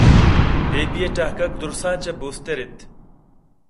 پیپی ءِ ٹہگک دُرٛستاں چہ برز تر اِت